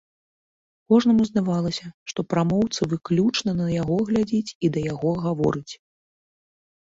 Кожнаму здавалася, што прамоўца выключна на яго глядзіць і да яго гаворыць.